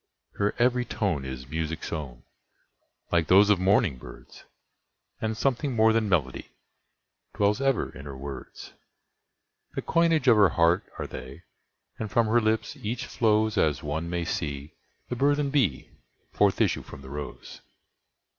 Her every tone is music's own, like those of morning birds, And something more than melody dwells ever in her words; The coinage of her heart are they, and from her lips each flowsAs one may see the burthened bee forth issue from the rose.